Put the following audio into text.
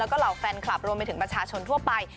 แล้วก็เหล่าแฟนคลับรวมไปถึงประชาชนทั่วไป